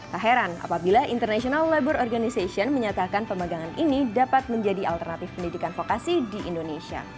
tak heran apabila international labor organization menyatakan pemegangan ini dapat menjadi alternatif pendidikan vokasi di indonesia